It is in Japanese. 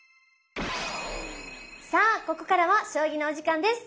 さあここからは将棋のお時間です。